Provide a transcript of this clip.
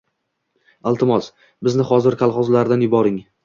Iltimos, bizni hozir kolxozlardan yuboring"